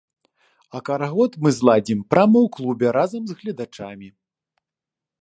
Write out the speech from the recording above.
А карагод мы зладзім прама ў клубе разам з гледачамі.